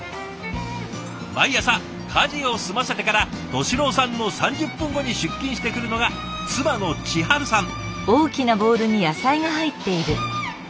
毎朝家事を済ませてから寿郎さんの３０分後に出勤してくるのが妻の千春さん。